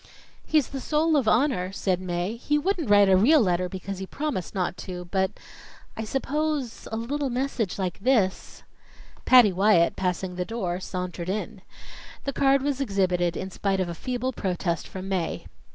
"He's the soul of honor," said Mae. "He wouldn't write a real letter because he promised not to, but I suppose a little message like this " Patty Wyatt passing the door, sauntered in. The card was exhibited in spite of a feeble protest from Mae.